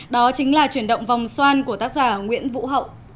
đó chính là chuyển động vòng xoan của tác giả nguyễn vũ hậu